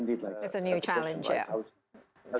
itu adalah tantangan baru